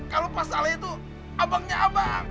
kalau pak saleh itu abangnya abang